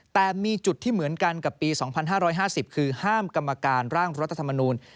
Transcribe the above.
แต่มีจุดที่เหมือนกันกับปี๒๕๕๐คือห้ามกรรมการร่างรัฐธรรมนูล